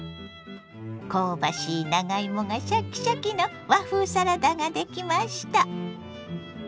香ばしい長芋がシャキシャキの和風サラダができました。